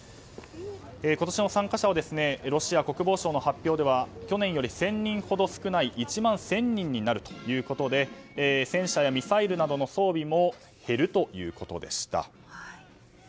今年の参加者はロシア国防省の発表では去年より１０００人ほど少ない１万１０００人だということで戦車やミサイルなどの装備も減るということでした。